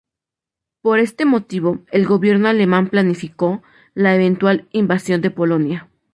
Por este motivo, el gobierno alemán planificó la eventual invasión de Polonia.